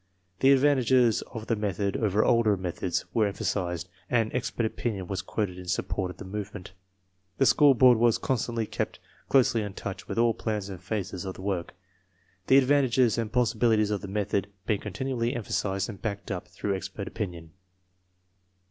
The advantages of the method over older methods were emphasized and expert opinion was quoted in support of the movement. The school board was constantly kept closely in touch with all plans and phases of the TESTS IN SCHOOLS OF A SMALL CITY ' 101 work, the advantages and possibilities of the method being continually emphasized and backed up through expert opinion.